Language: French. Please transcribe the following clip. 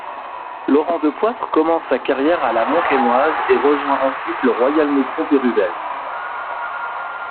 Laurent Depoitre commence sa carrière à La Montkainoise et rejoint ensuite le Royal Mouscron-Peruwelz.